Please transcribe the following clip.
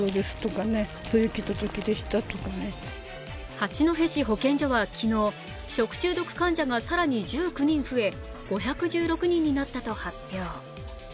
八戸市保健所は昨日、食中毒患者が更に１９人増え５１６人になったと発表。